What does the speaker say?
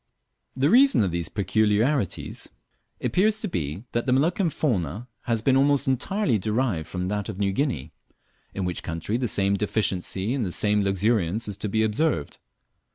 _ The reason of these peculiarities appears to be, that the Moluccan fauna has been almost entirely derived from that of New Guinea, in which country the same deficiency and the same luxuriance is to be observed.